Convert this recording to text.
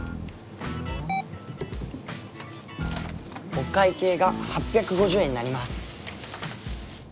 お会計が８５０円になります。